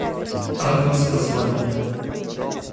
Анна спасла меня.